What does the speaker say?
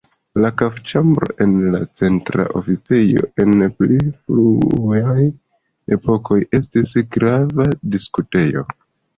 La kafĉambro en la Centra Oficejo en pli fruaj epokoj estis grava diskutejo.